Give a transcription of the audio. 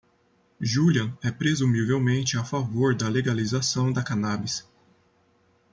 Julian é presumivelmente a favor da legalização da cannabis.